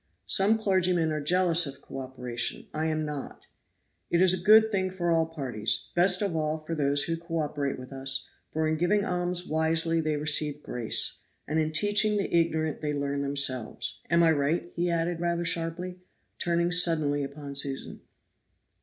Some clergymen are jealous of co operation; I am not. It is a good thing for all parties; best of all for those who co operate with us; for in giving alms wisely they receive grace, and in teaching the ignorant they learn themselves. Am I right?" added he rather sharply, turning suddenly upon Susan.